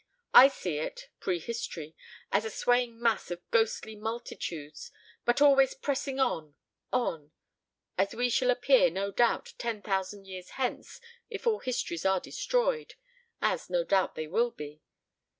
I see it prehistory as a swaying mass of ghostly multitudes, but always pressing on on ... as we shall appear, no doubt, ten thousand years hence if all histories are destroyed as no doubt they will be.